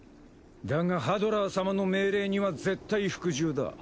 だがハドラー様の命令には絶対服従だ。